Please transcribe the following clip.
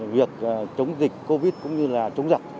việc chống dịch covid cũng như là chống dập